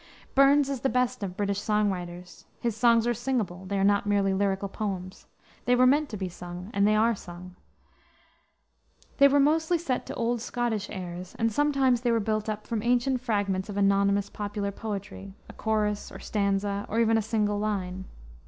Burns is the best of British song writers. His songs are singable; they are not merely lyrical poems. They were meant to be sung, and they are sung. They were mostly set to old Scottish airs, and sometimes they were built up from ancient fragments of anonymous, popular poetry, a chorus, or stanza, or even a single line.